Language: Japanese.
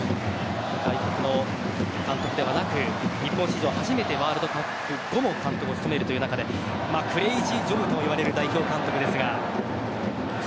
外国の監督ではなく日本史上初めてワールドカップ後も監督を務めるという中でクレイジージョブと呼ばれる代表監督ですが。